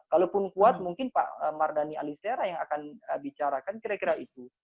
kalaupun kuat mungkin pak mardhani alisera yang akan bicarakan kira kira itu